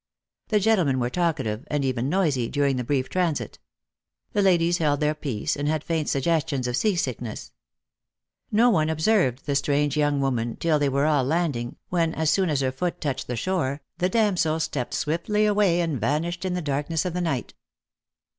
The gentlemen were talkative, and even noisy, during the brief transit. The ladies held their peace, and had faint sug gestions of sea sickness. No one observed the strange young woman, till they were all landing, when, as soon her foot touched the shore, the damsel stepped swiftly away, and vanished in the darkness of the night.